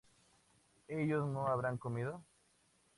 ellos no habrán comido